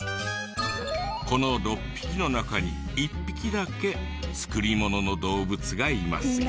この６匹の中に１匹だけ作りものの動物がいますよ。